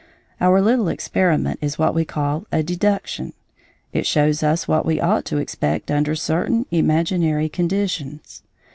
Our little experiment is what we call a deduction. It shows us what we ought to expect under certain imaginary conditions.